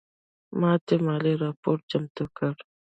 ماته مالي راپور چمتو کړه